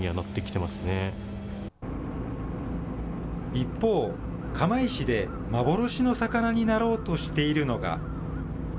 一方、釜石で幻の魚になろうとしているのが。